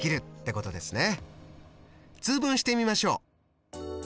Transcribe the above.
通分してみましょう。